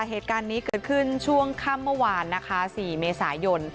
เหตุการณ์นี้เกิดขึ้นช่วงค่ำเมื่อวานนะคะ๔เมษายน